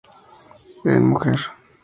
En ""Mujer.